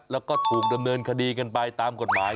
แล้วก็ถูกดำเนินคดีกันไปตามกฎหมาย